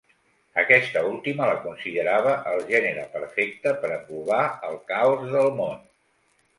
Aquesta última la considerava el gènere perfecte per englobar el caos del món.